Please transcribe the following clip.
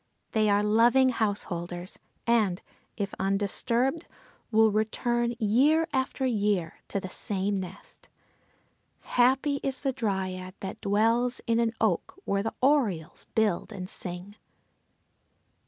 They are loving house holders, and, if undisturbed, will return, year after year, to the same nest. Happy is the Dryad that dwells in an oak where the orioles build and sing!